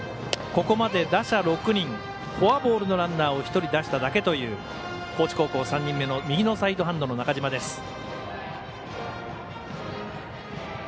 ここまで打者６人フォアボールのランナーを１人出しただけという高知高校３人目の右のサイドハンドの中嶋です。